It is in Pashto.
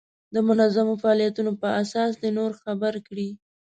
د منظمو فعالیتونو په اساس دې نور خبر کړي.